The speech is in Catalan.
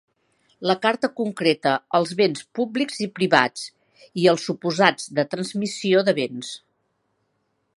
La Carta concreta els béns públics i privats, i els suposats de transmissió de béns.